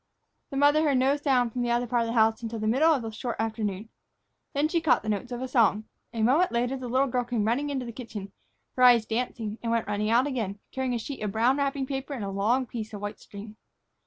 The mother heard no sound from the other part of the house until the middle of the short afternoon. Then she caught the notes of a song. A moment later the little girl came running into the kitchen, her eyes dancing, and went running out again, carrying a sheet of brown wrapping paper and a long piece of white string.